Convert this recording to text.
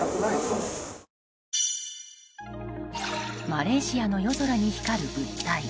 マレーシアの夜空に光る物体。